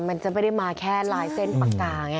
มันจะไม่ได้มาแค่ลายเส้นปากกาไง